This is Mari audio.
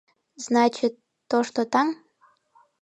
Значит, тошто таҥ?..